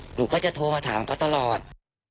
หนูก็จะโทรมาถามเขาตลอด